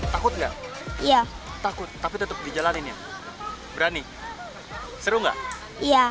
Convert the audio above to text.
takut nggak iya takut tapi tetap dijalankan berani seru enggak ya